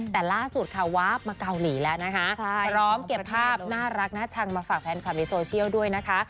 แต่ล่าสุดค่ะวาบมาเกาหลีแล้วนะคะพร้อมเก็บภาพน่ารักน่าชังมาฝากแฟนคลับในโซเชียลด้วยนะคะ